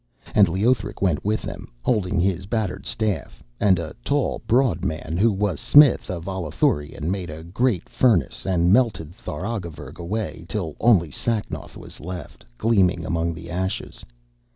And Leothric went with them, holding his battered staff; and a tall, broad man, who was smith of Allathurion, made a great furnace, and melted Tharagavverug away till only Sacnoth was left, gleaming among the ashes.